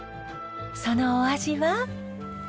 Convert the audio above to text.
そのお味は？